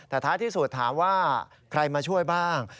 แต่ท้ายที่สุดถามว่าใครมาช่วยบ้าง